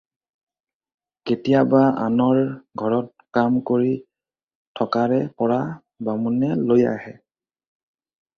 কেতিয়াবা আনৰ ঘৰত কাম কৰি থকাৰে পৰা বামুণে লৈ আহে।